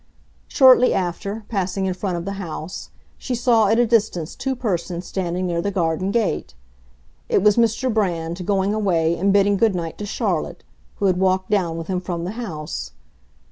Shortly after, passing in front of the house, she saw at a distance two persons standing near the garden gate. It was Mr. Brand going away and bidding good night to Charlotte, who had walked down with him from the house.